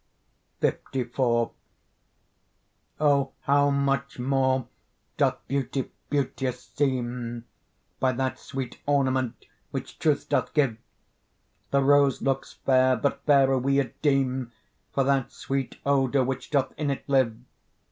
LIV O! how much more doth beauty beauteous seem By that sweet ornament which truth doth give. The rose looks fair, but fairer we it deem For that sweet odour, which doth in it live.